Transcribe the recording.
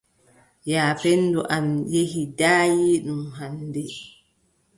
Yaapenndo am yehi daayiiɗum hannde.